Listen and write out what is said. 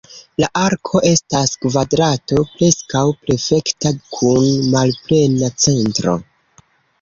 La arko estas kvadrato preskaŭ perfekta, kun malplena centro.